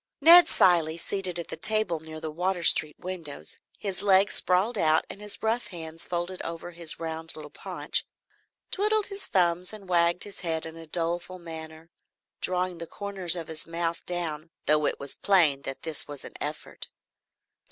Ned Cilley, seated at the table near the Water Street windows, his legs sprawled out and his rough hands folded over his round little paunch, twiddled his thumbs and wagged his head in a doleful manner, drawing the corners of his mouth down, though it was plain that this was an effort.